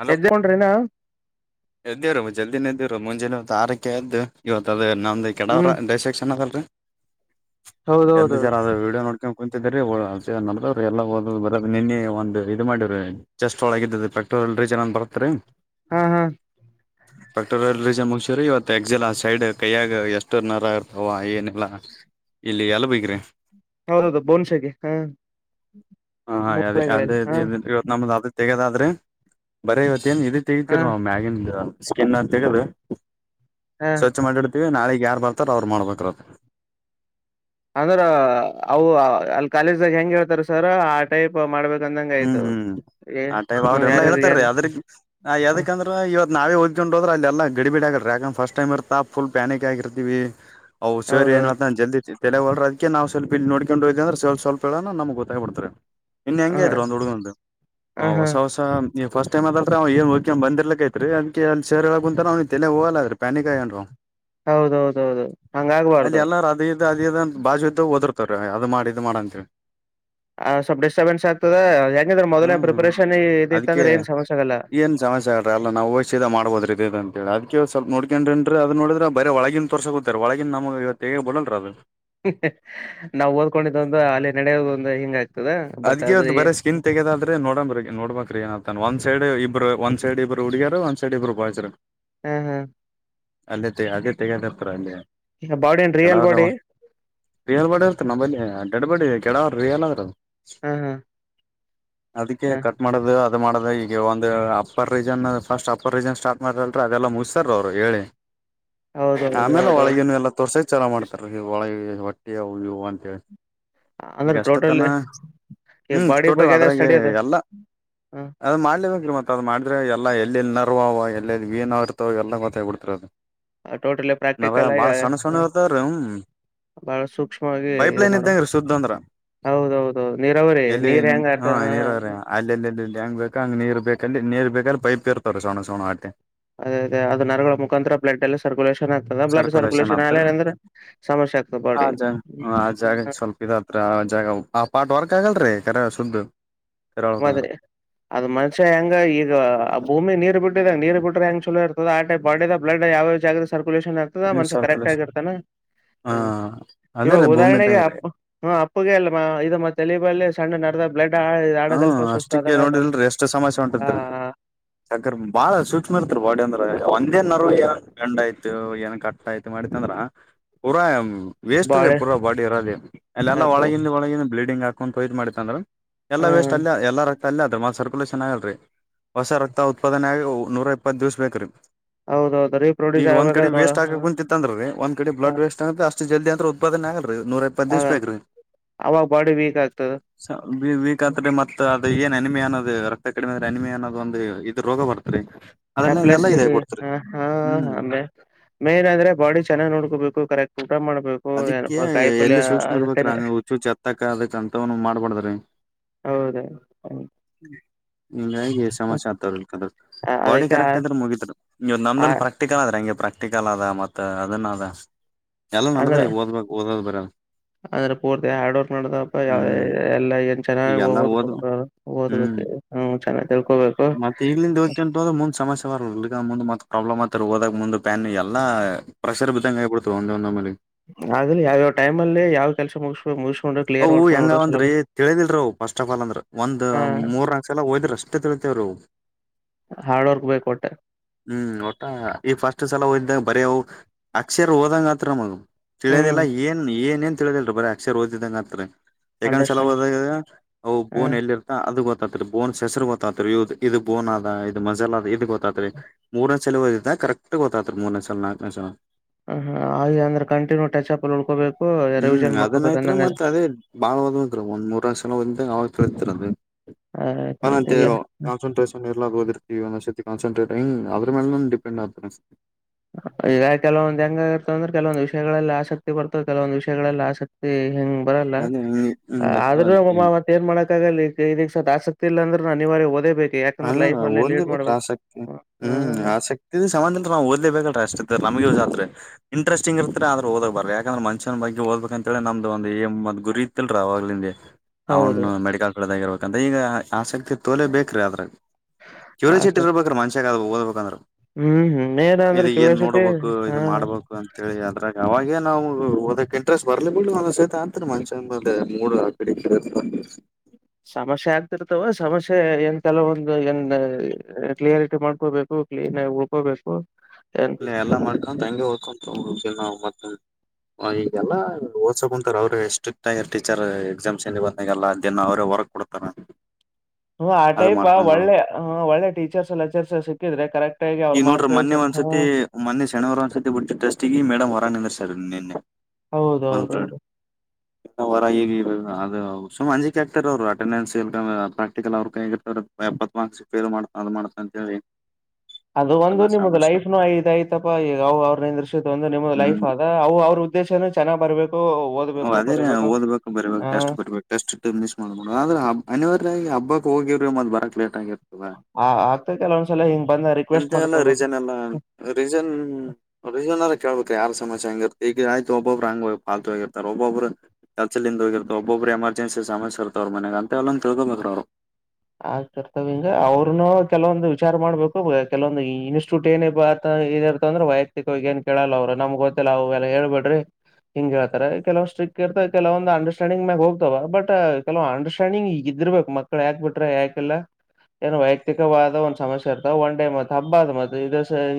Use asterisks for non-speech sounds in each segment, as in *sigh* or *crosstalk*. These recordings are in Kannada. ಹಲೋ ಎದ್ದಕೊಂಡ್ರೇನಾ ದವರ ಜಲ್ನ ದ ಮುಂಜಾನೆವ ಆರಕೆ ಎದ್ದ ಇವತ್ತು ಅದ ಇನ್ನೊಂದು ಕೆಡವ್ರ ಹ್ಮ್ ಡೈಸೆಕ್ಷನ್ ಅದಲ್ ಎದ್ದ ಹೌದೌದು ಜರ ಅ ವಡಿಯೋ ನೋಡಿ ಕುಂತ ಎಲ್ಲ ನಿನ್ನೆ ಒಂದು ಇದು ಮಾಡ್ರ ಚೆಸ್ಟ್ ಒಳಗಕ್ *unintelligible* ಲ್ರಿ ಜನನ್ ಬರ್ತ್ರಿ ಹ್ಮ್ ಹಾ್ *inaudible* ಸ್ಪೆಕ್ಟೋರಲ್ಮ್ ಮುಷೂರಿ ಇವ ಎಕ್ಸೆಲ್ ಆ ಸೈಡ್ ಕೈಯಾಗ ಎಷ್ಟು ನರ ಇರ್ತಾವ ಏನಲ್ಲಾ ಇಲ್ಲಿ ಎಲ್ಲ ಬಿಗ್ರ ಹೌದೌದು ಬೋನ್ಸೆಗೆ ಹ್ಮ್. ಹಾ ಹಾ ಅ ಅದ ಅದ್ ಇವತ್ ನಮ್ದ ಅದ್ ತೆಗ್ಯದಾದ್ರೆ ಬರೇ ಇವತ್ತ ಏನ್ ಇದು ಹಾ ತಗಿತಿವ ರಿ ನಾವು ಮ್ಯಾಗಿಂದ ಸ್ಕಿನ್ ತಗದು ಹಾ ಸ್ವಚ್ಛ ಮಾಡಿಡ್ತೀವಿ ನಾಳಿಗ್ ಯಾರ ಬರ್ತಾರ ಅವರು ಮಾಡ್ಬೇಕ್ರದ. ಅಂದ್ರ ಅವು ಅಲ್ಲಿ ಕಾಲೇಜ್ದಾಗ ಹೆಂಗ್ ಹೇಳ್ತಾರ ಸರ್ ಆ ಟೈಪ್ ಮಾಡ್ಬೇಕ ಹ್ಮ್ ಹ್ಮ್ ಆ ಟೈಮ ಅವ್ರ ಎಲ್ಲಾ ಯಾರ್ಯಾರಿಗೆ ಯಾರ ಹೇಳ್ತಾರೀ ಅದ್ರ ಯಾದಕ್ಕಂದ್ರ ಇವತ್ ನಾವೇ ಹೋಗ್ *unintelligible* *unintelligible* ಕೊಂಡ ಹೋದ್ರ ಅಲ್ಲ ಎಲ್ಲ ಗಡಿ ಬಿಡಿ ಆಗ ಫಸ್ ಟೈಮ್ ಇರ್ತಾ ಫುಲ್ ಪ್ಯಾನಕರ ಅವು ಸರ್ ಏನು ಹೌದೌದು ಹೆಳತ್ತಾನ ಜಲ್ದಿ ತಿನ್ನ ತಲೆ ಹೊಗಲ್ರಿ ಅದಕೆ ನಾವ ಸ್ವಲ್ಪ ಇಲ್ಲಿ ನೋಡಕೊಂಡ ಹೋದೆಂದ್ರ ಸರ್ ಸ್ವಲ್ಪ ಹೇಳಾನ ನಮ್ಗ ಗೊತ್ತಾಗ್ ಬಿಡ್ತರಿ. ನಿನ್ನೆ ಹ ಹಂಗೆ ಹ ಒಂದು ಹುಡುಗ ಒಂದು ಅವ ಹಾ ಹೊಸ ಹೊಸ ನೀವು ಫಸ್ಟ್ ಟೈಮ್ದತ್ರ ಅವ ಏನ್ ಓದಕ್ಕೆಂಡ ಬಂದರ್ಲಕ್ಕೈಐತ್ರಿ ಅದಕ ಅಲ್ಲಿ ಸರ್ ಹೆಳಾಕುಂತಾರ ಅವ್ ತಲೆ ಹೋಗಲ್ರೀ ಪ್ಯಾನಿಕ್ ಆಗ್ಯಾನ ರಿ ಅವ. ಹೌದ ಹೌದ ಹೌದ ಹಂಗಾಗಬಾರ್ದ. ಅದ ಇದು ಅಂತ ಬಾಜು ಇದ್ದ ಒದರ್ತಾರ ಅದ ಮಾಡ ಇದ ಮಾಡಂತೆಳಿ. ಆ ಸಲ್ಪ್ ಡೆಸ್ ಡಿಸ್ಟಬೆನ್ಸ್ ಆಗ್ತದ ಯಾಕಂದ್ರ ಮೊದ್ಲೇ ಹ್ಮ್ ಪ್ರಿಪ್ರೇಷನ್ ಇದಿತ್ತ ಅದಕ್ಕೆ ಅಂದ್ರೆ ಏನ್ ಸಮಸ್ಯೆ ಆಗಲ್ಲ ಸಿದ ಮಾಡಬೋದ್ರ ದಿದನ್. ಅದಕೆ ಸ್ವಲ್ಪ ನೋಡ್ಕೊಂಡ್ರನ್ರಿ ಅದನ್ ನೋಡಿದ್ರ ಬರಿ ಒಳಗಿನ ತೋರಸಕುಂತಾರ ಒಳಗಿನ ನಮಗ ಇವ ತೇಗ ಬರುಲ್ರಿ ಅದ. ಹ್ಮ್ಮ್ ಹೆ ನಾವು ಓದ್ಕೊಂಡಿದ್ದ ಒಂದು ಅಲ್ಲಿ ನಡೆಯದು ಒಂದು ಹಿಂಗತ. ಅದ್ಕೇ ಅದ್ ಬರೆ ಸ್ಕಿನ್ ತಗೆದಾದ್ರ ನೊಡಂಬರಿ ನೋಡ್ಬಬೇಕ್ರೀ ಏನಂತಾನ ಒಂದ ಸೈಡ್ ಇಬ್ರು ಒನ್ ಸೈಡ್ ಇಬ್ಬರು ಹುಡಗ್ಯಾರ ಒಂದ್ ಸೈಡ್ ಇಬ್ರು ಬಾಯ್ಸ್ ರಿ. ಹ್ಮ್ ಹ್ಮ್. ಅಲ್ಲೇ ತ ಅದೇ ತೆಗೆದತ್ರರ ಅಲ್ಲಿ ಬಾಡಿ ಏನ್ ರಿಯಲ್ ಬಾಡಿ ಕೆಡವರಲ್ ಬಿಯರ್ ಬಾಟಲ್ ತೊ ನಾ ಬಂದೆ ಅಲ್ಲೇ ಎಡಬೇಡಿ ರಿಯಲ್ಗರದು ಹ ಹಾ ಅದಕ್ಕೆ ಹ ಕಟ್ ಮಾಡದು ಅದು ಮಾಡದ ಈಗ ಒಂದು upper region first upper region start ಮಾಡತಲ್ೀ ಅದೆಲ್ಲ ಮುಗಿಸತಾರ ಅವ್ರು ಹೇಳಿ ಹೌದೌದು ಆಮೇಲೆ ಹೌದೌದು ಒಳಗಿನವ ಎಲ್ಲಾ ತೋರ್ಸಕ ಚಲೋ ಮಾಡ್ತಾರ ಒಳಗ ಹೊಟ್ಟಿ ಅವು ಇವು ಅಂತೇಳಿ. ಈಗ ಅಂದ್ರೆ ಟೋಟಲ್ ಅಷ್ಟತನ ಹ್ಮ್ ಬಾಡಿ ಟೋಟಲ್ ಬಗ್ಗೆದ ಅದ್ರಾಗ ಸ್ಟಡಿ ಅದು ಎಲ್ಲ ಹ ಅದ ಮಾಡ್ಲೆ ಬೇಕರಿ ಮತ್ ಅದ ಮಾಡಿದ್ರೆ ಎಲ್ಲ ಎಲ್ಲಿಲ್ಲಿ ನರ್ವ ಅವು ಎಲ್ಲಲ್ಲಿ ವೀನ್ ಇರ್ತವ ಎಲ್ಲ ಗೊತ್ತಾಗಿ ಬಿಡ್ತರ ಅದು. ಟೋಟಲಿ ನಾವ ಪ್ರಾಕ್ಟಿಕಲ್ ಆಗಿ ಬಾಳ ಸಣ್ಣ ಹ ಸಣ್ಣ ಇತ್ರೀ ಹ್ಮ ಬಹಳ ಸೂಕ್ಷ್ಮವಾಗಿ ಇದು ಪೈಪ್ಲೈನ್ ಮಾಡುವ ಇದ್ದಂಗ ರೀ ಸುದ್ದ ಅಂದ್ರ. *unintelligible* ಹೌದೌದು ನೀರಾವರಿ ಎಲ್ಲಿ ನೀರ್ ಹೆಂಗ ಆತ ಹಾ ನೀರ್ರ ಅಲ್ಲೆಲ್ಲೆಲ್ಲಿ. ಹೆಂಗ್ ಬೇಕಾಂಗ ನೀರ್ ಬೇಕ ಅಲ್ಲಿ ನೀರ್ ಬೇಕಾದ್ರೆ ಪೈಪ್ ಇರ್ತಾವರಿ ಸಣ್ಣ ಸಣ್ಣ ಆಟೆ. ಅದೇ ಅದೇ ಅದು ನರಗಳು ಮು ಮುಖಾಂತ್ರ ಬ್ಲಡ್ ಎಲ್ಲ ಸರ್ಕ್ಯುಲೇಷನ್ ಆಗ್ತದೆ ಬ್ಲಡ್ ಸರ್ಕ್ಯುಲೇಷನ್ ಆಲಿಲ್ ಅಂದ್ರೆ ಸಮಸ್ಯೆ ಆಗ್ತದೆ ಆ ಬಾಡಿಗೆ. ಜಾಗ ಆ ಜಾಗಕ್ಕೆ ಸ್ವಲ್ಪ ಇದತ್ರ ಆ ಜಾಗ ಆ ಪಾಟ್ ವರ್ಕ್ ಆಗಲ್ರೀ ಕರೆ ಶುದ್ದ. ಮದ್ರೆ ಅದ್ ಮನ್ಷ್ಯ ಹೆಂಗ ಈಗ ಆ ಭೂಮಿ ನೀರ್ ಬಿಟ್ಟ ನೀರು ಬಿಟ್ರೆ ಹೆಂಗ ಚೂಲೊ ಇರತದ ಆ ಟೈಪ ಬಾಡಿ ದ ಬ್ಲಡ್ ಯಾವ್ಯಾವ ಜಾಗದಾಗ ಸರ್ಕ್ಯುಲೇಷನ್ ಆಗತದ ಮನಷ್ಯ ಕರೆಕ್ಟ್ ಆಗಿ ಸರ್ಕುಲೇಷನ್ ಇರ್ತಾನ ಹಾ ಅದೇ ಇವಾಗ ರೀ ಭೂಮಿ ಉದಾಹರಣೆಗೆ ಇದ್ದಂಗ್ರೀ ಅಪ್ಪ ಹ ಅಪ್ಪಗೆ ಅಲ್ಲ ಇದು ಮತ ತಲಿಬಲ್ಲಿ ಸಣ್ಣ ನರದಾಗ ಬ್ಲಡ್ ಆ *unintelligible* ಹ್ಮ್ ಸುಸ್ತ ಅಷ್ಟಕ್ಕೆ ಆದಂಗ ಆತ ನೋಡಿರಲ್ರರಿ ಎಷ್ಟ್ ಸಮಸ್ಯೆ ಹೊಂಟತ್ರಿ. ಹ ಯಾಕರ್ ಬಾಳ ಸೂಕ್ಷ್ಮ ಇರ್ತರ್ ಬಾಡಿ ಅಂದ್ರೆ ಒಂದೇ ನರು ಏನಾರ್ ಗಂಡ ಆಯ್ತು ಏನ್ ಕಟ್ಟ ಆಯ್ತು ಮಾಡತ್ತ ಅಂದ್ರ ಪೂರಾ ವೇಸ್ಟ್ ರೀ ಬಾಳೆ ಪೂರ ಬಾಡಿ ಇರೋದೆ ಅಲ್ಲೆಲ್ಲಾ ಒಳಗಿಂದ ಒಳಗಿಂದ ಬ್ಲೀಡಿಂಗ್ ಆಕ್ಕೊಂತ ಮಾಡಿತ್ತ ಅಂದ್ರ ಎಲ್ಲ ವೇಸ್ಟ್ ಹ್ಮ್ ಅಲ್ಲ ಎಲ್ಲ ರಕ್ತ ಅಲ್ಲ ಅದ ಮತ ಸರ್ಕುಲೇಷನ್ ಆಗಲ್ರಿ. ಹೊಸ ರಕ್ತ ಉತ್ಪಾದನೆ ಆಗಿ ನೂರ ಇಪ್ಪತ್ತು ದಿವಸ ಬೇಕು ರೀ. ಹೌದೌದು ರೀಪ್ರೊಡ್ಯೂಸ್ ಈಗ ಒಂದ್ ಕಡೆ ಆಗ್ಬೇಕಾದ್ರ ನೋಡ ವೇಸ್ಟ್ ಆಗಾಕ್ಕುಂತ್ತಿತ ಇತ್ತ ಅಂದ್ರ ರಿ ಒಂದ್ ಕಡೆ ಹ ಬ್ಲಡ್ ವೇಸ್ಟ್ ಆಗೆ ಅಷ್ಟ. ಜಲ್ದಿ ಅಂತ್ರು ಉತ್ಪಾದನಗಲ್ಲ. ನೂರ ಇಪ್ಪ ದಿವಸ ಬೇಕ್ರಿ ಅವಾಗ ಬಾಡಿ ವೀಕ್ ಆಗ್ತದ *unintelligible* ವಿಕ್ ಆದ್ರೆ ಮತ ಈಗ ಏನ್ ಏನೇಮಿ ಅನ್ನೋದು ರಕ್ತ ಕಡಿಮೆ ಆದ್ರೆ ಏನೇಮೆ ಅನ್ನೋದ ಒಂದು ಇದ್ ರೋಗ ಬರ್ತರಿ ಹೆಪ್ಲೇಸ್ ಗೇ ಹಾ ಹಾ ಹ್ಮ್ ಮೇನ್ ಅಂದ್ರೆ ಬಾಡಿ ಚೆನ್ನಾಗ್ ನೋಡ್ಕೋಬೇಕು ಕರೆಕ್ಟ್ ಊಟ ಮಾಡ್ಬೇಕು ಅದಕ್ಕೆ ಏನಪ್ಪಾ ಕಾಯಿ ಪಲ್ಯ ಎಲ್ಲಿ ಸೂಕ್ಷ್ಮ ಅದಕ್ಕೆ ಇರ್ಬೇಕ್ರ ಹಂಗ ಹುಚ್ಚು ಹತ್ತಕ್ಕ ಅದಕ್ ಅಂತವುನು ಮಾಡ್ಬಾರಡ್ದ್ರಿ ಹೌದ ಹ ಹಿಂಗಾಗಿ ಸಮಸ್ಯೆ ಆತವಿಲ್ಲಕಂದ್ರ ಬಾಡಿ ಅದಕ್ಕೆ ಕರೆಕ್ಟ್ ಇದ್ರ ಮುಗಿತ್ರಿ ನೀವ್ ಆ ನಮ್ದನ್ ಪ್ರಾಕ್ಟಿಕಲ್ ಅ್ರೆ ಹಂಗೆಾಕ್ಟ ಕ್ಟಿಕಲ್ ಅದ ಮತ್ ಅದನ್ ಅದ ಎಲ್ಲಾ ನಡದ್ರ ಈ ಓದ್ಬೇಕು ಓದೋದ್ ಬರ ಅಂದ್ರೆ ಪೂರ್ತಿ ಹಾರ್ಡ್ ವರ್ಕ್ ನಡ್ದಪ್ಪ ಯಾವ ಹ್ಮ್ ಎಲ್ಲ ಏನ್ ಈಗೆಲ್ಲಾ ಚೆನ್ನಾಗಿ್ದ್ ಓದು ದ್ ಹ್ಮ್ ಮತ್ತೆ ಈಗ್ಲಿಂದ ಓದಿಕೊಂತ ಹೋದ್ರ ಮುಂದ್ ಸಮಸ್ಯೆ ಬರಲರಿ ಇಲ್ಲಿಕಂದ್ರ ಮುಂದ್ ಮತ್ತ ಪ್ರಾಬ್ಲಮ್ ಆತಾರೆ ಓದಕ ಮುಂದ ಪ್ಯಾನ್ ಎಲ್ಲ ಪ್ರೆಷರ್ ಬಿದ್ದಂಗ ಆಗ್ಬಿಡ್ತದೆ ಒಂದ ಒಂದ ಮೇಲೆ ಆಗ್ಲಿ ರಿ ಯಾವ್ಯಾವ ಟೈಮ ಅಲ್ಲಿೇ ಯಾವ್ ಕೆಲಸ ಮುಗಿಸ್ಕೊಬೇಕ್ ಮುಗಿಸಸ್ಕೊಂಡ್ರು ಕ್ಲಿಯರ್ ಅವು ಮಾಡ್ಕೊಂಡ್ ನೋಡ್ರರು ಹೆಂಗವಂದ್ರಿ ಚೊಲೊರಿ ತಿಳಿದಿಲ್ರಿ ಅವು ಫಸ್ಟ್ ಆಫ್ ಆಲ್ ಅಂದ್ರೆ ಒಂದು್ ಮೂರ್ ನಾಲ್ಕ್ ಸರಲ ಓದಿದ್ರ ಅಷ್ಟ ತಿಳಿತಿದ್ರು ಹಾರ್ಡ್ ವರ್ಕ್ ಬೇಕು ಒಟ್ಟ ಹ್ಮ್ ಒಟ್ಟ ಈಗ್ ಫಸ್ಟ್ ಸಲ ಹೊಯ್ ಬರೆಯವ್ ಅಕ್ಷರ ಹೋದಂಗಾತ್ರ ನಮಗ್ ಹ್ಮ್ ತಿಳಿಯದಿಲ್ಲ ಏನ್ ಏನೇನ್ ತಿಳಿದಿಲ್ರಿ ಬರ ಅಕ್ಷರ ಓದಿದಂಗಾತ್ರಿ ಯಾಕಂದ್ ಚಲೋ ಅಂಡರ್ಸ್ಟ್ಯಾಂಡ್ ಹೋದಾಗದ ಅವ್ ಹಾ ಬೋನ್ ಎಲ್ಲಿ ಇರ್ತ ಅದು ಗೊತ್ ಗತ್ರಿ ಬೋನ್ಸ್ ಹೆಸರು ಗೊತ್ತಾತ್ರಿ ಇ ಇದು ಬೋನ್ ಅದ ಇದು ಮಸಲ್ ಆದ ಇದ್ ಗೊತ್ತಾತ್ರಿ ಮೂರ್ನೆ ಸಲಿ ಓದಿದ ಕರೆಕ್ಟ್ ಗೊತ್ತಾತ್ರಿ ಮೂರ್ನೆ ಸಲ್ ನಾಕ್ನೆ ಸಲ. ಹ ಹಾ ಹಾಗೆ ಅಂದ್ರೆ ಕಂಟಿನ್ಯೂ ಟಚ್ ಅಪ್ ಅಲ್ ಉಳ್ಕೊಬೇಕ್ ಹ್ಮ್ ಅದನ್ ಆಯ್ತ್ರಿ ಮತ್ ಅದೇ ಬಾಳ್ *unintelligible* ಒಂದ್ ಮೂರ್ನಾಕ್ ಸಲ ಒದಿದ್ರೆ ಅವಾಗ್ ತಿಳಿತ್ರಿ *unintelligible* ಆಯ್ತ್ ಆಯ್ತ್ ಹಂಗಂತೆವ್ ಈಗ ಕಾನ್ಸಂಟ್ರೇಷನ್ ಇರ್ಲಾರ್ದ್ ಓದಿರ್ತೀವಿ ಒನ್ನೊಂದ್ ಸತಿ. ಕಾನ್ಸನ್ಟ್ರೇಟ್ ಹ್ಮ್ ಅದ್ರು ಮೇಲೆನೂ ಡಿಪೆಂಡ್ ಆತ್ರಿ. ಈಗ ಕೆಲವೊಂದ್ ಹೆಂಗ್ ಆಗಿರ್ತ ಅಂದ್ರೆ ಕೆಲವೊಂದು ವಿಷಯಗಳಲ್ಲಿ ಆಸಕ್ತಿ ಬರ್ತಾವ ಕೆಲವೊಂದ್ ವಿಷಯಗಳಲ್ಲಿ ಆಸಕ್ತಿ ಹೆಂ ಬರಲ್ಲ ಅದೇ ಹಿಂಗ ಹಿಂಗ ಇರ್ತಾವ ಆದ್ರೂ *unintelligible* ಮ ಅದಕ್ಕೆ ಏನ್ ಮಾಡ ತಾಗಲ್ಲ ಇದ್ಕೆ ಇದತ್ ಆಸಕ್ತಿ ಇಲ್ಲ ಅಂದ್ರುನು ಅನಿವಾರ್ಯಾ ಒದೇ ಬೇ ಹ ಓದಲೇಬೇಕ್ರ ಆಸಕ್ತಿ ಹ್ಮ್ ಹ್ಮ ಆಸಕ್ತಿ ಸಮನಂತ್ರ ಅ ನಾವ್ ಓದ್ಲೇಬೇಕ *unintelligible* ಇಂಟೆಸ್ಟಿಂಗ್ ಇರತ್ರಿ ಆದ್ರ ಓದೋಕ್ ಬಾರ ಯಕಂದ್ರ ಮನುಷ್ಯ ಬಗ್ಗೆ ಓದ್ಬೇಕಂತೇಳಿ ನಮ್ದ ಒಂದು ಏಯ್ ಮದ್ ಗುರಿ ಇತ್ತಲ್ರಿ ಅವಾಗ್ಲಿಂದೆ ನಾವ ಹೌದು ಮೆಡಿಕಲ್ ಫಿಲ್ಡ್ ದಾಗಿರ್ಬೇಕಂತ ಈಗ ಆಸಕ್ತಿ ತೋರ್ಲೆ ಬೇಕ್ರೀ ಅದ್ರಾಗ್ ಕ್ಯೂರಿಸಿಟಿ ಆಸಕ್ ಇರ್ಬೇಕ್ರಿ ಮನ್ಷ್ಯಾಗ ಅ ಓದಬೇಕಂದ್ರ ಹ್ಮ್ ಹ್ಮ್ ಏನ ಇದ ಅಂದ್ರೆ ಏನ್ ಕ್ಯೂರಿಯಾಸಿಟಿ ನೋಡ್ಬೇಕು ಇದ ಹಾ ಮಾಡ್ಬೇಕು ಅಂತ ಹೇಳಿ ಅದ್ರಾ ಅವಾಗೆ ನಾವ ಓದಕ್ ಇಂಟ್ರೆಸ್ಟ್ ಬರ್ಲಿ ಬಿಡು ಒಂದ್ ಸಹತ ಆಂತ ಮನಷ್ಣನ ಬಲಿ ಮೂಡ್ ಅಕಡಿ ಇಕಡಿ *inaudible* ಸಮಸ್ಯೆ ಆಗ್ತಿರ್ತವ ಸಮಸ್ಯೆ ಎಂತಲೇ ಒಂದ ಇಂದ ಕ್ಲಿಯರಿಟಿ ಮಾಡ್ಕೊಬೇಕು. ಕ್ಲೀನ್ ಆ ಉಳ್ಕೋಬೇಕು. ಎಲ್ಲಾ ಮಾಡ್ಕೊಂತ ಹ ಹಂಗೆ ಹದ್ಕೊಂತ ಹೋಗ್ಬೇಕ ಈಗ ಮತ್ತ್ ಆವ ಈಗೆಲ್ಲ ಓದಸ ಕುಂತಾರ ಅವ್ರೆ ಸ್ಟ್ರಿಕ್ಟ್ ಆಗರ ಟೀಚರ್ ಎಕ್ಸಾಮ್ಸ್ ಬಂದಾಗಲ್ಲ ದಿನ್ನ ಅವ್ರೆ ವರ್ಕ್ ಕೊ ಕೊತರ ಹ್ಮ ಆ ಟೈಪ್ ಒಳ್ಳೆ ಹ ಒಳ್ಳೆ ಟೀಚರ್ಸ್ ಲೆಕ್ಚರ್ಸ್ ಸಿಕ್ಕಿದ್ರೆ ಕರೆ ಈಗ ನೋಡ್ರಿ ಮನ್ನೆ ಒಂದ್ಸತಿ ಮನ್ನೆ ಶನಿವಾರ ಒಂದಸತಿ ಬಿಟ್ಟ ಟಸ್ಟಿಗ ಮೇಡಮ್ ಹೊರ ನಿಂದ್ರಸ್ಯರ ನಿನ್ನಿ ಹೌದ ಹೌದ ಹೋದ. ಹೊರ ಈಗ ಅದ ಸುಮ್ ಅಂಜಿಕ ಹಾಕ್ತಾ ಅವರ ಅಟೆಂಡೆನ್ಸ್ ಇ ಪ್ರಾಕ್ಟಿಕಲ್ ಅವ್ರ ಕಯ್ಯಗ ಇ ಎಪ್ಪತ್ ಮಾರ್ಕ್ಸ್ ಫೇಲ್ ಮಾಡ್ತ ಅದ್ ಮಾಡ್ತ ಅಂತ ಹೇಳಿ ಇ ಅದು ಒಂದು ನಿಮ್ದ ಲೈಫ್ನು ಇದ ಐತಿ ಪಾ ಈಗ ಅವ ಅವ್ರಂದಿಸ ಒಂದ ನಿಮ್ದ ಹ್ಮ್ ಲೈಫ್ ಆದ ಅವ ಅವ್ರ ಉದ್ದೇಶ ಚೆನ್ನ ಬರಬೇಕ. ಅದೆಲೆ ಓದ್ಬೇಕ ಬರ್ಬೇಕ ಹ ಟೆಸ್ಟ್ ಬರ್ಬೇಕ ಟೆಸ್ಟ್ ಮಿಸ್ ಮಾಡ್ಬ್ರೆ ಆದ್ರ ಅನಿವಾರ್ಯ ಹಬ್ಬ ಹೋಗಿರ ಮತ್ತ ಬರಕ್ ಲೇಟ್ ಆಗಿ ಆ ಆಗ್ತಲ ಒಂದ್ಸಲ ಹಿಂಗ ಎಂತ ಎಲ್ಲ ರೀಜನ್ ಇಲ್ಲಾ ರೀಜನರ ಕೇಳ್ಬೇಕ ಯಾರ ಸಮಸ್ಯ ಹೆಂಗ ಇರ್ತ ಈಗ ಆಯ್ತ ಒಬೊಬ್ರ ಹ ಪಾಲ್ತು ಹೋಗಿರ್ತರ ಒಬ್ಬೊಬ್ರ ಕೆಲಸಲ್ಲಿಂದ ಹೋಗಿತಾರ ಒಬೊಬ್ರ ಎಮರ್ಜನ್ಸಿ ಸಮಸ್ಯ ಇರ್ತ ಅವ್ರ ಮನೆಗ ಅಂತ ಎಲ್ಲ ತಿಳ್ಕೊಬೇಕ್ರ ಅವರ ಆಗ್ ತರ್ತವ ಹಿಂಗ ಅವ್ರನು ಕೆಲವೊಂದು ವಿಚಾರ ಮಾಡ್ಬೇಕು ಕೆಲವೊಂದು ಇನ್ಸ್ಟಿಟ್ಯೂಟ್ ಏನ ಇದ ಇರ್ತ ಅಂದ್ರೆ ವೈಯಕ್ತಿಕವಾಗಿ ಏನ್ ಕೇಳಲ್ಲ ಅವ್ರ ನಮಗ್ ಗೊತ್ತಿಲ್ಲ ಅವೆಲ್ಲ ಹಳ್ ಬಿಡ್ರಿ ಹಿಂಗಗೆೇಳ್ತಾರೆ ಕೆಲವ್ ಸ್ಟ್ರಿಕ್ ಇರ್ತ ಕೆಲವೊಂದು ಅಂಡರ್ಸ್ಟ್ಯಾಂಡಿಂಗ್ ಮಾಗ ಹೋಗ್ತ ಬಟ್ ಕೆಲವು ಅಂಡರ್ಟ್ಯಾಂಡಂಗ್ ಇದಿರ್ಬೇಕು ಮಕ್ಳಳ್ ಯಾಕ್ ಬಿಟ್ರೆ ಯಾಕೆಲ್ಲ ಏನು ವೈಯಕ್ತಿಕವಾದ ಒಂದ್ ಸಮಸ್ಯೆ ಇರ್ತಾವ ಒನ್ ಡೇ ಮತ್ ಹಬ್ಬ ಅದ ಮತ್ ಇದ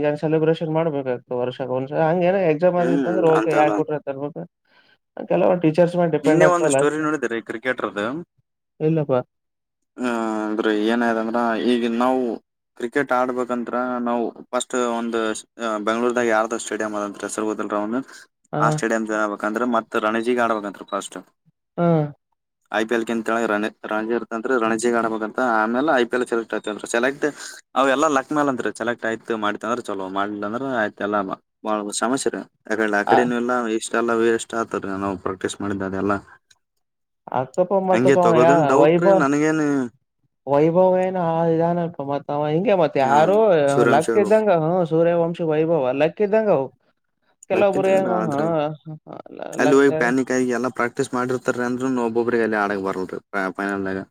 ಏನ್ ಸೆಲೆಬ್ರೇಷನ್ ಮಾಡ್ಬೇಕ ವರ್ಷ ಒಷ ಹಂಗ ಏ ಎಕ್ಸಾಮ್ ಆದಿ ಹ್ಮ್ ಅಂದ್ರೆಕೆ ಯಾಕ ಅಂತಲ್ಲ ಕುಟ್ರ ತರ್ಬೇಕು ಕೆಲವ ಟೀಚರ್ಸ್ ಮೇಲೆ ಡಿಪೆಂಡ್ ನಿನ್ನೆ ಒಂದು ಆಗ್ತವಲ್ಲ ಸ್ಟೋರಿ ನೋಡಿದರಿ ಕ್ರಿಕೆಟರ್ದು ಇಲ್ಲಪ್ಪಾ ಆ ಅಂದ್ರೆ ಏನಾಯದ ಅಂದ್ರ ಈಗ ನಾವು ಕ್ರಿಕೆಟ್ ಆಡ್ಬೇಕಂತತ್ರ ನಾವು ಫಸ್ಟ್ ಒಂದು ಬೆಂಗ್ಳೂರ್ದಾಗ ಯಾರ್ದೋ ಸ್ಟೇಡಿಯಂ ಅದಂತ ಹೆಸರು ಹೋದಲ್ರ ಒಂದು ಹ ಆ ಸ್ಟೇಡಿಯಂಬೇಕಂದ್ರೆ ಮತ್ ರಣಜಿಗ ಆಡ್ಬೇಕಂತ ಫಸ್ಟ್ ಹ್ಮ ಐ ಪಿ ಎಲ್ತೇಳ ರಣ ರಣಜಿ ಇರ್ತಂದ್ರ ರಣಜಿಗ್ ಆಡಬಬೇಕ ಅಂತ ಆಮೇಲೆ ಐ ಪಿ ಎಲ್ ಸೆಲೆಕ್ಟ್ ಆಐತ ಅ ಸೆಲೆಕ್ ಅವ ಎಲ್ಲ ಲಕ್ ಮೇಾಲ ಅತ್ರಿಸೆಲೆಕ್ಟ್ ಆಯ್ತು ಮಾಡತ ಅಂದ್ರೆ ಚಲೋ ಮಾಡಲಿಲ್ಲ ಅಂದ್ರ ಆಯ್ತ ಎಲ್ಲಾ ಬಾಳ ಸಮಸ್ಯ ರೀ ಯಾಕ ಆ ಕಡೆ ಎಲ್ಲಾ ಇಷ್ಟ ಎಲ್ಲ ವೇ ಇಷ್ಟ ಆತಾರ ನಾವು ಪ್ರಾಕ್ಟೀಸ್ ಮಾಡಿದಿದ್ದಾರೆ ಎಲ್ಲಾ ಅಕ್ಕಪ್ಪ ಮತ್ತಕ್ಕ ಯ ಡೌಟ್ ವೈಭ ರೀ ನನಗೇನ್ ವೈಭವ ಏನ ಇದಾನಪ್ಪ ಮಾತವ ಹಿಂಗಗೆ ಮತ್ತೆ ಹ ಯಾರು ಲಕ್ಕ ಸೂರ್ಯವಂಶಗಳು ಇದಂಗ ಹ್ಮ ಸೂರ್ಯವಂಶ ವೈಭವ್ ಲಕ್ಕ ಇದಂಗವು ಕೆಲವೊಬ್ಬರ ಲಕ್ಕಿದ್ದಂಗ ಆದ್ರ ಹಗ್ತಾರೆ ಪ್ರಕ್ಟೀಸ್ ಮಾಡಿರ್ತಾರೆ ಅಂದ್ರರು ನ ಒಬೊಬರಿಗೆಲ್ಲಲ್ಲಿ ಆಡಗ್ ಬರ್ಲ್ರಿ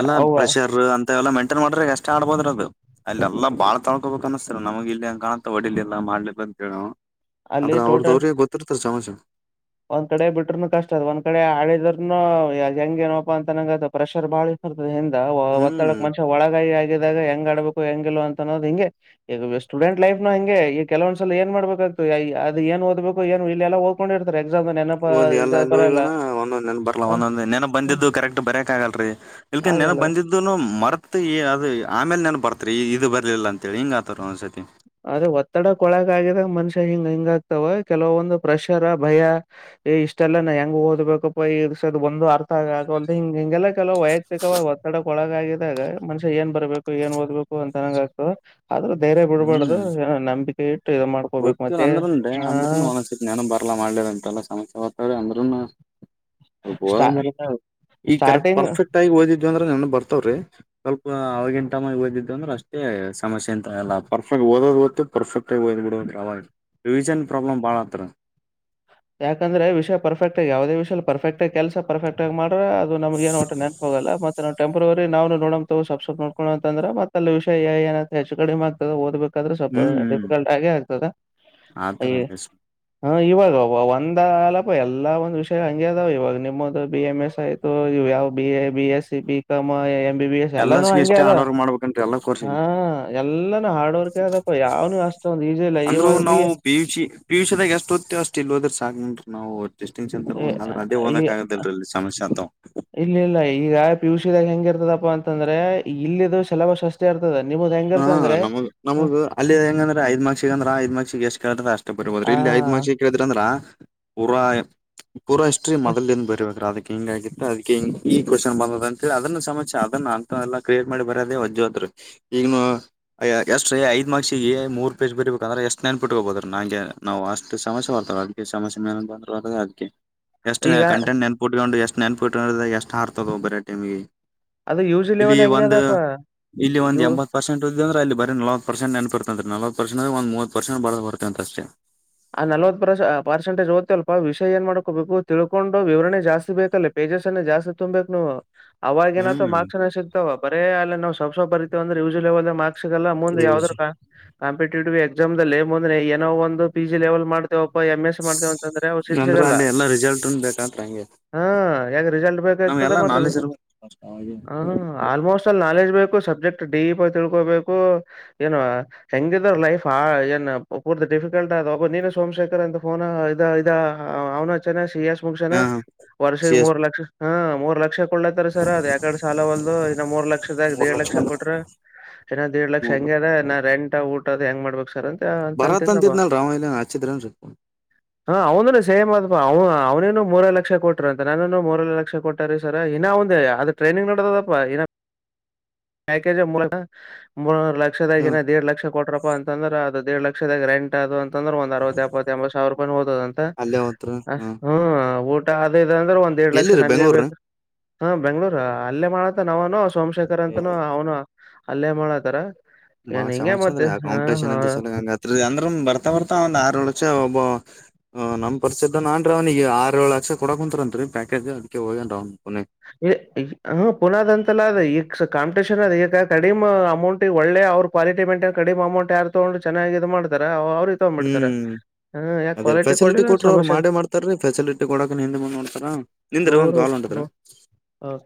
ಎಲ್ಲಾ ಅವ ಪ್ರೆಷರ್ ಅಂತ ಎಲ್ಲಾ ಮೈಂಟೈನ್ ಮಾಡ್ರೆ ಎಷ್ಟ ಇಷ್ಟ ಆಡ್ಬೋದ್ರ ಅದು ಅಲ್ಲಾ ಬಾಳ್ ತಳ್ಕೋಬೇಕು ಅನ್ನಿಸ್ತರ ನಮಗೆ ಇಲ್ಲಿಂಗ ಕಾಣುತ್ತ ಒಡಿಲಿ ಎಲ್ಲ ಮಾಡಲಿಲ್ಲ ಅಂತವು ಅಲ್ಲಿ ಆದ್ರ ಅವ್ರದ ಟೋಟಲ್ ಅವ್ರಿಗೆ ಗೊತ್ತಿರ್ತಾರ ಚಾಮಚ ಒಂದ್ ಕಡೆ ಬಿಟ್ರೂನು ಕಷ್ಟ ಅದ ಒಂದ್ ಕಡೆ ಆಳಿದರುನು ಹೆಂಗ ಏನಪ್ಪಾ ಅಂತನಂಗ ಪ್ರೆಷರ್ ಬಾಳರ್ ದ ಹ್ಮ್ ಒತ್ತಡಕ್ ಮನುಷ್ಯ ಒಳಗಾಗಿಿ ಆಗ ಇದಾಗ ಹೆಂಗ್ ಆಡ್ಬೇಕು ಹೆಂಗಗೆಲ್ ಅಂತನ್ನೋ ಹಂಗೆ ಈಗ ಸ್ಟೂಡೆಂಟ್ ಲೈನ ಹಂಗೆ ಈಗ ಕೆಲೊಂದ್ಸಲ ಏನ್ ಮಾಡ್ಬೇಕ ಅದು ಓದ್ಬೇಕು ಏನು ಇಲ್ಲ ದಕೊಂಡಿರ್ತ ಹಓದಿ ಎಲ್ಲ ಒಂದೊಂದ್ ನ ಬರ್ಲಾ ಹ, ಒಂದೊಂದ್ ನೆನ ಹ, ಬಂದಿದ್ದು ಕರೆಕ್ಟ್ ಬರಕ್ ಆಗಲ್ರರಿ ಇ ನೆನ ಆಗಲ್ಲ ಬಂದಿದ್ದುನು ಮರತ್ ಅದು ಆಮೇಲೆ ನೆನನ್ ಬರ್ತ ಇದು ಬರ್ಲಿಲ್ಲ ಅಂತೇಳಿ ಹಿಂಗ ಆತಾರ ಒಂದ್ಸತಿ ಅದ್ರೆ ಒತ್ತಡಕ್ಕ ಒಳಕ್ ಆಗಿದಾಗ ಮನುಷ್ಯ ಹಿಂಗ ಹಿಂಗ ಆಗ್ತಾವ ಕೆಲವೊಂದು ಪ್ರೆಷರ್ ಭಯ ಇಷ್ಟೆಲ್ಲ ನಾ ಹೆಂಗ ಓದ್ಬೇಕಪ್ಪ ಈ ಅ ಒಂದು ಅರ್ಥ ಆಗಲ್ ಹಿಂಗ ಹಿಂಗೆಲ್ಲ ಕೆಲವು ವೈಯಕ್ತಿಕವಾದ ಒತ್ತಡಕ್ಕೆ ಒಳಗಾಗಿದಾಗ ಮನುಷ್ಯ ಏನ್ ಬರ್ಬೇಕು ಏನ್ ಓದ್ಬೇಕು ಅಂತನಂಗ ಆಗ್ತು ಆದ್ರೆ ಬೇರ ಬಿಡು ಮಾಡ ಹ್ಮ್ ತ್ತ ಮತ್ತೆ ಅಂದ್ರರುನ್ ಹ ಅಂದ್ರೂನು ಒನಸತಿ ನಾನು ಬರ್ಲ್ಲಾ ಮಾಡ್ಲಂಟಲ್ಲ ಸಮಸ್ಯ ಅಂದ್ರದ ಸ್ಟಾ ಮೇಲೆ ಈ ಕರೆಕ್ಟ್ ಸ್ಟಾರ್ಟಿಂಗ್ ಪರ್ಫೆಕ್ಟ್ ಆಗಿ ಓದಿದ್ವ ಅಂದ್ರ ಬರ್ತವ್ರೀ ಸ್ವಲ್ಪ ಅವಗಿನಟಮ ಯದಿದ್ದು ಅ್ರ ಅಷ್ಟೇ ಸಮಸ್ಯೆ ಅಂತ ಲಾಭ ಪರ್ಫೆಕ್ಟ್ ಓದೋದು ಗತ್ತು ಪರ್ಫೆಕ್ಟ ಆಾಗಿ ಓದ್ಬ ಬಿಡಾಗ ರಿವಿಜನ್ ಪ್ರಾಬ್ಲಮ್ ಬಾಳ ಹತ್ರ ಯಾಕಂದ್ರೆ ವಿಷಯ ಪರ್ಫೆಟ್ ಆಗ ಯವುದ ವಿಯ ಪರ್ಫೆಕ್ಟ್ ಆ ಕೆಲಸ ಪರ್ಫೆಕ್ ಆಗಿ ಮಾಡ ಅದು ನಮಗ ಏನ್ಟ್ಟ ನೆನಪೋಗಲ್ಲ ಮತ್ತೆ ನೋ ಟೆಂರಿ ನವು ನೋಡೋ ಸಬ್ಸ್ಕ್ರೈಬ್ ನೋಕೋ ಅಂದ್ರ ಮತ್ತ ಅಲ್ಲಿ ವಿಷಯ ಏ ಹೆಚ್ಚ ಕಡಿಮೆಗ್ದೆ ಓದಬೇಕು ಸ್ವಲ್ಪ ಹ್ಮ್ ಹ್ಮ್ ಡಿಫಿಕಲ್ಟ್ ಆಗೆ ಆಗ್ತದ ಆತರ ಹ ಇವಾಗ ಒಂದ ಅಲಪ ಎಲ್ಲಾ ಒಂದ್ ವಿಷಯ ಹಂಗೆ ಅದಾವ ಇವಾಗ ನಿಮ್ಮದು ಬಿ ಎಂ ಎಸ್ ಆಯ್ತು ಇ ಯಾವ್ ಬಿ ಎ ಬಿ ಎಸ್ ಸಿಬಿಕಾಯ ಎಂ ಎಸ್ ಎಲ್ಲಾನು ಎಲ್ಲಸ್ಗೂ ಹಗೆ ಇಷ್ಟೇ ಅದ ಹಾರ್ಡ್ವರ್ಕ್ ಮಾಡ್ಬೇಕಂತ್ರಿ ಎಲ್ಲಾ ಹ ಕೋರ್ಸಿಗಿ. ಎಲ್ಲಾನು ಹಾರ್ಡ್ ವರ್ಕ್ ಅದ ಯಾವ ಅಂದ್ರು ನಾವು ಪಿಯ ಯುಷಿ ಪಿಯುಷಿದಾಗ ಎಷ್ಟು ಅಷ್ಟ ಇಲ್ಲಿ ಹೋದ್ರ ಸಾಕ ನಾವು ಡಿಸ್ಟಿಂಕ್ಷನ್ ತರಬೇಕ್ ಅಂದ್ರ ಅದೇ ಈ ಓದಕ್ ಆಗದಿಲ್ರಿ ಇಲ್ಲಿ ಸಮಸ್ಯೆ ಆತಾವ್. ಇಲ್ಲ ಇಲ್ಲ ಈಗ ಪಿುಸಿದಾಗ ಹೆಂಗ ಇರ್ತದ ಅಂತಂದ್ರೆ ಇಲ್ಲಿದು ಶೆಲಬಷ ಅಷ್ಟೇ ಅರ್ತ ಹಾ ನಮಗ್ ನಮಗ ಅಲ್ಲಿ ಹ್ಮ್ ಹೆಂಗಂದ್ರೆ ದ್ ಮಾಕ್ಷಸಿಿಗೆ ಅಂದ್ರ ದ್ ಮಾಕ್ಷಸಿಗೆ ಎಷ್ಟ ಕೇಳ್ರ ಅಷ್ಟ ಬರ್ಬೋದ್ರ ಆ ಇಲ್ಲಿ ಐದ್ ಕೇಳಿದ್ರ ಅಂದ್ರ ಪೂರಾ ಪೂರ ಹಿಸ್ಟ್ರಿ ಮೊದಲ್ದ ಬರಬೇಕ್ರ ಅದಕ್ಕೆ ಹಿಂಗಗಿತ್ತ ಅದಕ ಈ ಕ್ವನ್ ಬಂದದ ಅಂತ ಹೇಳಿ ಅದನ್ನ ಸಮಸ್ಯೆ ಅದನ್ನ ಅಂತ ಎಲ್ಲಾ ಕ್ರಿಯೇಟ್ ಮಾಡಿ ಬರೋದೇ ವಜ್ದರು ಈಗನು ಅಯ ಎಷ್ಟ ರೀ ಐದ್ ಮಾರ್ಕ್ಸಿಗೆ ಮೂರ್ ಪೇಜ್ ಬರ್ಬೇಕ ಅಂದ್ರ ಎಷ್ಟ ನೆನ್ಟ್ಕಬೋ್ರೀ ನಂಗೆ ನಾವು ಅಷ್ಟು ಸಮಸ್ಯವ ಅ ಅದಗೆ ಸಮಸ್ಯೆ ಮೇಲೆಂತ ಬಂದ್ರ ಅದಕ್ಕೆ ಎಷ್ಟು ಈಗ ಕಂರೇಟ್ ನೆನ್ಪುಟ್ಕೊಂಡು ಎಷ್ಟು ನೆನಪಿ್ರ ಎಷ್ಟು ಹಾರ್ತದ ಒಬ್ಬರ ಟೈಮಗೆ ಅದು ಯು ಜಿ ಇಲ್ಲಿ ಲೆವೆಲ್ ಒಂದು ಹೆಂಗದಪ್ಪ ಇಲ್ಲಿ ಒಂದು ಯು ಎಂ ಪೆಟ್ ಇದ ಅ್ರ ಅಲ್ಲಿರಿ ನವ ಪರ್ಸೆಟ್ನಪಿರ್ತ ಅ ನವ ಪರ್ೆಟ್ ಒಂದ ಮೂವ ಪರ್ಸೆಂ ಬತ್ತ ಅಷ್ಟೇ ಆ ನಲ್ವತ್ ಪರ್ ಪರ್ಸೆಟೇಜ್ ಓ್ತ ಅಲ್ಪ ವಿಷ ಏನ್ ಮಾಡ್ಕೋಬೇಕು ತಿಳ್ಕೊಂಡು ವಿವರಣೆ ಜಾಸ್ತಿ ಬೇಕಲ್ಲ ಪೇಜ ಜಾಸ್ತಿ ತುಂಬ್ಬೇಕಕ್ ನೀವು ಅವಾಗಏನ ಹ್ಮ್ ಮಾರ್ಕ್ಸ್ಣ ಸಿಗ್ತಾವ ಬರೇ ಅಲ್ಲ ನ ಸ್ಪ್ಪರ್ತತಿ ಅಂದ್ರೆ ಯಲ್ ಲೆವೆಲ್ ಮಾರ್ಕ್ ಸಿಗಲ್ಲ ಮುಂದ ಯೂಸ್ ಯಾವ್ದದ್ರ ಕಾಂಟಿವ್ ಎಕ್ಸಾಮ್ ದಲ್ಲಿ ಮುೊ್ನೆ ಏನೋ ಒಂದು ಪಿ ಜಿ ಲೆವೆಲ್ ಮಾಡ್ತೇವ ಎಮ ಎಸ್ ಮಾಡ್ತೇವ ಅಂತಂದ್ರೆ ಅವರು ಸಿಟ್ ಅಂದ್ರ ಸಿಗಲ್ಲ ಅಲ್ಲಿ ಎಲ್ಲಾ ರಿಸಲ್ಟ್ ಬೇಕಂತ್ರ ಹಂಗೆ ಹಾ ಯಗ ರಿಸಲ್ಟ್ ನಾವ್ ಬೇಕಾಗ್ತದ ಎಲ್ಲಾ ಮ ನಾಲೆಜ್ ಇರ್ಬೇಕ ಅವಾಗೆ ಹ ಆಲ್ಮೋಸ್ಟ್ ಅಲ್ಲಿ ನಾಲೆಜ್ ಕು ಸಬ್ಜೆಕ್ಟ್ ಡೀಪ್ ತಿಳ್ಕೋಬೇಕು ಏನ ಹೆಂಗಿದ ಲೈಫ್ ಆ ಏನ್ ಪೂರ್ ಡಿಫ ಕ ಒಬ್ಬ ನೀನು ಸೋಮಶೇಖರ್ ಅಂತಫೋನ್ ಇದ ಇದ ಅವ್ನ ಚೆನ್ನ ಸಿ ಎಸ್ ಮುಕ್ಷನ ಹಾ ವರ್ಷ ಸಿ ಎಸ್ ಮೂರ್ ಲಕ್ಷ ಹಾ ಮೂರ್ ಲಕ್ಷ ಕೊಳ್ಳತಾರ ಸರ್ ಅದ ಯಕಡೆ ಸಾಲ ಒಲ್ದು ಇನ್ನ ಮೂರ್ ಲಕ್ಷದ್ ಮೂರ್ ಏಡ್ ಲಕ್ಷ ಅಂದ್ರ ಕೊಟ್ರ ಏನಾದ್ ದೇಡ್ ಲಕ್ಷ ಹೆಂಗ ಅದ ನಾ ರೆಂಟ್ ಊಟ ಅದದು ಹೆಂಗ ಮಾಡ್ಬೇಕಕ್ ಸರ್ ಅಂತ ಅಂತ ಬರತ್ ಅಂತಿದ ನಮ್ಮ ಅಂತಿದ್ನಲ್ರಿ ಅವ ಇಲ್ಲ ಹಚ್ಚಿದ್ರನ್ರಿ ಹ ಅವನುಡ ಸೇಮ ಅಾದ ಅವನು ಹ ಅವ್ನೇನು ಮೂರೇ ಲಕ್ಷ ಕೊಟ್ಟ್ರ ಅಂತ ನಾನನು ಮೂರ ಲಕ್ಷ ಕೊಟ್ಟಾರಿ ಸರ್ ಇನ್ನ ಒಂದ್ ಅದು ಟ್ರನಿಂಗ್ ನೋಡದಪ್ಪ ಇ ಪ್ಯಾಕೇಜ್ ಮೂ ಮೂ ಹ್ಮ ಲಕ್ಷದಾಗನ ದೇಡ್ ಲಕ್ಷ ಕೊಟ್ರಪ್ಪಾ ಅಂತಂದ್ರೆ ಅದ ಎರಡ್ ಲಕ್ಷದ ಗ ರ್ಯಾಂಟ್ ಅದು ಅ ದ್ರೆ ಒಂದ್ ಅರವತ್ ಎಪ್ಪತ್ ಎಂಬತ್ ಸಾವಿರ ರೂಪಾಯಿ ಹತದ ಅಂತ ಅಲ್ಲೇ ಹೊತ್ರ ಹ ಹ್ಮ ಊಟ ಅೇ ದ್ರೆ ಒಂದ್ ಎರಡ್ ಲಕ್ಷ ಎಲ್ಲಿರಿ ನನ್ಗೆ ಬೆಂಗ್ಳೂರ್ರೀ ಬೇಕ ಹ ಬೆಂಗ್ಳೂರ ಅಲ್ಲೇ ಮಾಡತ್ತ ನಾವನು ಸೋಮಶೇಖರ್ ಅಂತ ಅನು ಅವನು ಅಲ್ಲೇ ಮಾಡತಾರ ಬಾಳ ಏನ್ ಹಿಂಗೆ ಸಮಸ್ಯೆ ಅಂದ್ರೆ ಮತ್ತೆ ಆ ಹಾ ಕಾಂಪಿಟೇಷನ್ ಇದ ಹಾ ಸಲ ಹಂಗತ್ ಅಂದ್ರ ಬರ್ತಾ ಬರ್ತಾ ಒಂದ ಆರ ಲಕ್ಷ ಒಬ್ ಹ್ ನಮ್ಮ್ ಪರಿಸಚದ ನಾನ್ ಅವ್ನಿಗೆ ಆರ ಏಳ್ ಲಕ್ಷ ಕೊಡಕ್ ಕುಂಂತರತ್ ರೀ ಪ್ಯಾಕೇಜ್ ಅದಕ ಹೋಗೇನ್ ಅವ್ನು ಹ ಪುನಾದ ಅಂತಲ್ಲ ಅದ ಕಾಪಟೇಷನ್ ಅ ಈಗ ಕಡಿಮ ಅಮೌಂಟ್ಗೆ ಒಳ್ಳೆ ಅವ್ರ ಕ್ವಾಲಟಿ ಮೇಂಟೈನ್ ಕಡಿಮ ಅಮಂಟ್ ಯಾರ್ ತಗೊಂಡು ಚೆನ್ನ ಮಾಡ್ತಾರ ಅವ ಅವ್ರ ತಗ್ಬಿಡ್ತಾರೆ ಹ್ಮ್ ಅದೇ ರ ಫೆಸಿಲಿಟಿ ಕೊಟ್ರ ಅವ್ರು ಮಾಡ್ತಾರ ರೀ ಫಸಿಲಿಟಿ ಕೊಡಕಕ್ ಹಿಂದೆ ಮುಂದ್ ಮಾಡ್ತಾರ ನಿಂದ್ರಿ ಒಂದ ಕಾಲ್ ಹೊಂಟ್ರರಿ ಹ ಹಓ